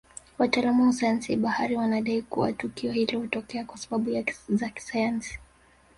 Wataalamu wa sayansi ya bahari wanadai kua tukio hilo hutokea kwasababu za kisayansi